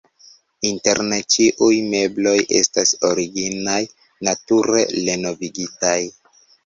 Interne ĉiuj mebloj estas originaj, nature renovigitaj.